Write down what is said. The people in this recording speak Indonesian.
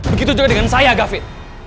begitu juga dengan saya david